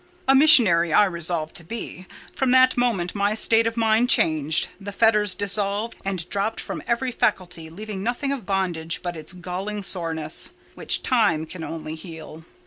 "A missionary I resolved to be. From that moment my state of mind changed; the fetters dissolved and dropped from every faculty, leaving nothing of bondage but its galling soreness—which time only can heal.